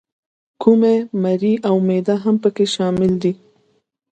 کومي، مرۍ او معده هم پکې شامل دي.